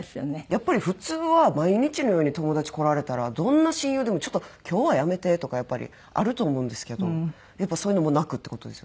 やっぱり普通は毎日のように友達来られたらどんな親友でもちょっと今日はやめてとかやっぱりあると思うんですけどやっぱそういうのもなくって事ですよね？